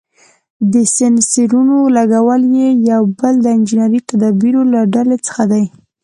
د سېنسرونو لګول یې یو بل د انجنیري تدابیرو له ډلې څخه دی.